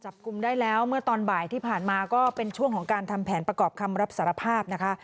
จับกลุ่มได้แล้วเมื่อตอนบ่ายที่ผ่านมาก็เป็นช่วงของการทำแผนประกอบคำรับสารภาพนะคะ